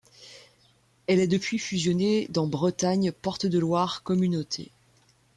Elle est depuis fusionnée dans Bretagne porte de Loire Communauté.